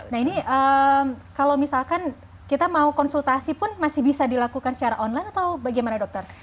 nah ini kalau misalkan kita mau konsultasi pun masih bisa dilakukan secara online atau bagaimana dokter